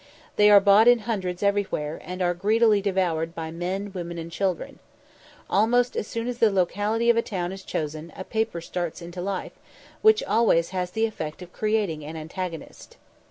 They are bought in hundreds everywhere, and are greedily devoured by men, women, and children. Almost as soon as the locality of a town is chosen, a paper starts into life, which always has the effect of creating an antagonist.